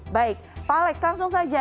baik pak alex langsung saja